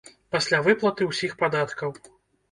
Пасля выплаты ўсіх падаткаў.